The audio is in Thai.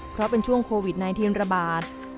เพราะเป็นช่วงโควิด๑๙ระบาด